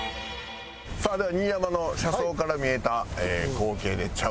さあでは新山の「車窓から見えた光景でちゃうねん」でございます。